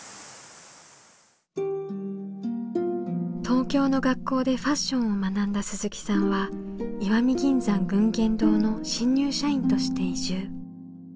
東京の学校でファッションを学んだ鈴木さんは石見銀山群言堂の新入社員として移住。